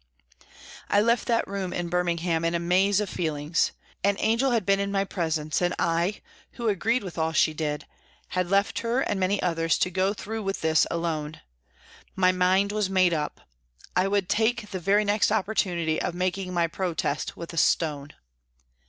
I left that room in Birmingham in a maze of feelings. An angel had been in my presence and I, who agreed with all she did, had left her and many others to go through with this alone. My mind was made up. I would take the very next opportunity of making my protest with a stone.